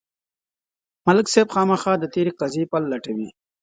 ملک صاحب خامخا د تېرې قضیې پل لټوي.